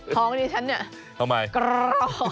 พ่อวันนี้ฉันเนี่ยกรรรร